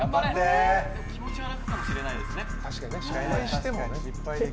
気持ちは楽かもしれないですね。